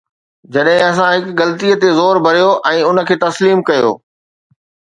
جڏهن اسان هڪ غلطي تي زور ڀريو ۽ ان کي تسليم ڪيو.